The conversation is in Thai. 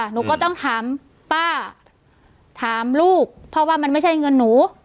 หนูก็ต้องถามป้าถามลูกเพราะว่ามันไม่ใช่เงินหนู